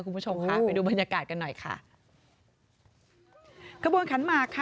คุณผู้ชมค่ะไปดูบรรยากาศกันหน่อยค่ะขบวนขันหมากค่ะ